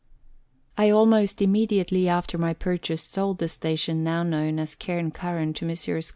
I almost immediately after my purchase sold the station now known as Cairn Curran to Messrs.